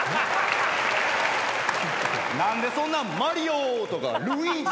何でそんな「マリオ！」とか「ルイージ！」